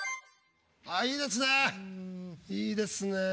あっいいですね。